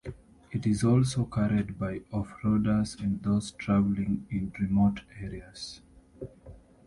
It is also carried by off-roaders and those traveling in remote areas.